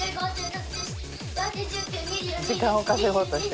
時間を稼ごうとしてますね。